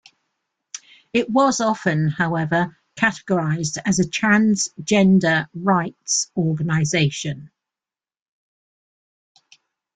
It was often, however, categorised as a transgender rights organization.